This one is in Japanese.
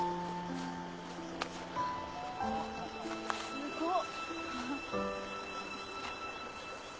すごっ！